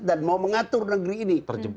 dan mau mengatur negeri ini